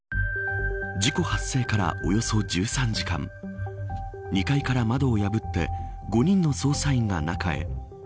事故発生からおよそ１３時間２階から窓を破って５人の捜査員が中へ。